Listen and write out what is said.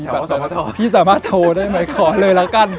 เขาส่งมาทอพี่สามารถโทรได้มั้ยขอเลยละกัน